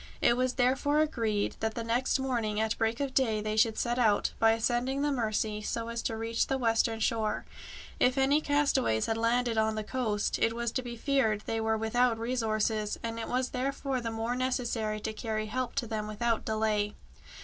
It was therefore agreed that the next morning at break of day they should set out, by ascending the Mercy so as to reach the western shore. If any castaways had landed on the coast, it was to be feared they were without resources, and it was therefore the more necessary to carry help to them without delay.